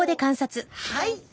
はい！